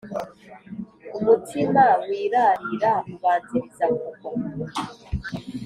umutima wirarira ubanziriza kugwa